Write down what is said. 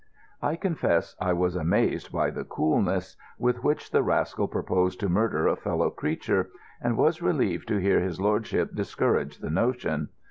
I confess I was amazed by the coolness with which the rascal proposed to murder a fellow creature, and was relieved to hear his lordship discourage the notion.